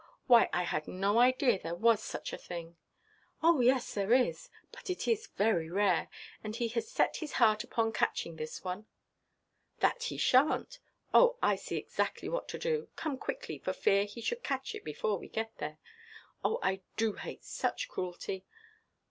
Why, I had no idea that there was such a thing." "Oh yes, there is: but it is very rare; and he has set his heart upon catching this one." "That he shanʼt. Oh, I see exactly what to do. Come quickly, for fear he should catch it before we get there. Oh, I do hate such cruelty.